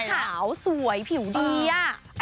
แล้วชีขาวสวยผิวดีอะ